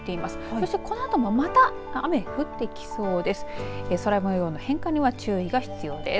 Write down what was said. そしてこのあともまた雨が降ってきそうです。